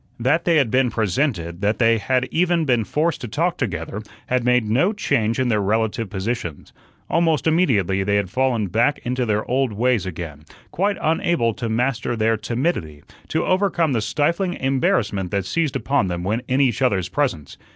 That they had been presented, that they had even been forced to talk together, had made no change in their relative positions. Almost immediately they had fallen back into their old ways again, quite unable to master their timidity, to overcome the stifling embarrassment that seized upon them when in each other's presence.